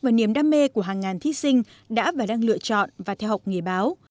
và niềm đam mê của hàng ngàn thí sinh đã và đang lựa chọn và theo học nghề báo